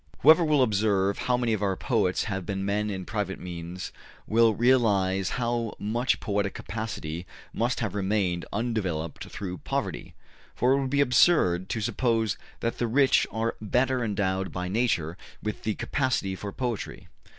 Whoever will observe how many of our poets have been men of private means will realize how much poetic capacity must have remained undeveloped through poverty; for it would be absurd to suppose that the rich are better endowed by nature with the capacity for poetry.